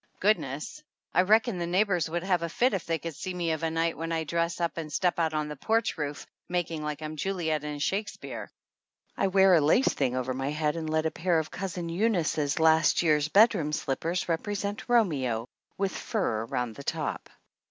Goodness ! I reckon the neighbors would have a fit if they could see me of a night when I dress up and step out on the porch roof, making like I'm Juliet in Shakespeare. I wear a lace thing over my head and let a pair of Cousin Eunice's last year's bedroom slippers represent Romeo with fur around the top.